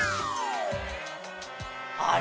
あれ？